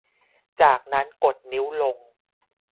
จากนั้นกดนิ้วลง